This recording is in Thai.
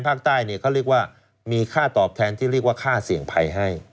ภาคใต้เขาเรียกว่ามีค่าตอบแทนที่เรียกว่าค่าเสี่ยงภัยให้